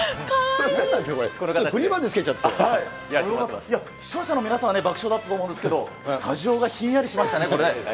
ちょっとふりまでつけちゃっ視聴者の皆さんは爆笑だったと思うんですけど、スタジオがひんやりしましたね。